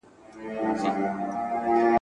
پر لکړه مي بار کړی د ژوندون د لیندۍ پېټی !.